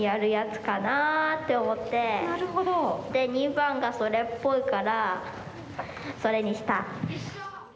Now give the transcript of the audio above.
②ばんがそれっぽいからそれにした。